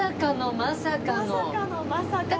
まさかのまさかで。